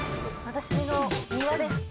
私の庭です。